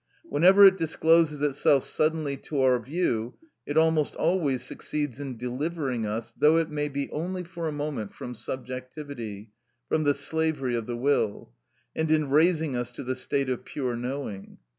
Whenever it discloses itself suddenly to our view, it almost always succeeds in delivering us, though it may be only for a moment, from subjectivity, from the slavery of the will, and in raising us to the state of pure knowing.